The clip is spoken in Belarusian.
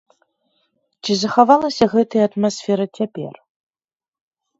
Ці захавалася гэтая атмасфера цяпер?